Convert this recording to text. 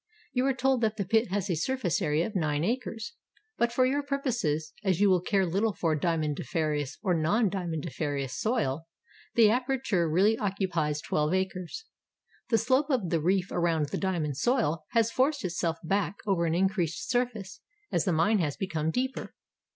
You are told that the pit has a surface area of nine acres; but for your purposes, as you will care Httle for diamondiferous or non diamondiferous soil, the aperture really occupies twelve acres. The slope of the reef around the diamond soil has forced itself back over an increased surface as the mine has become deeper.